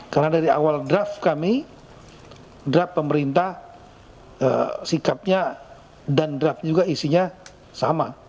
karena dari awal drap kami drap pemerintah sikapnya dan drapnya juga isinya sama